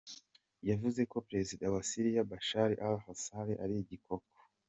Yavuze ko Prezida wa Siriya Bashar al-Assad ari "igikoko".